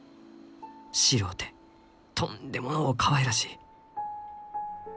白うてとんでものうかわいらしい。